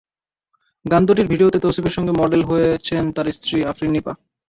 গান দুটির ভিডিওতে তৌসিফের সঙ্গে মডেল হয়েছেন তাঁর স্ত্রী আফরিন নীপা।